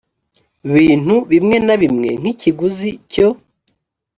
bintu bimwe na bimwe nk ikiguzi cyo